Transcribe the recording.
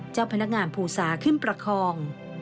เจ้าพนักงานภูสาขึ้นประคอง